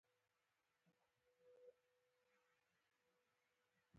کله چې جګړه د انسان خوړنې په اساس ورغېږې.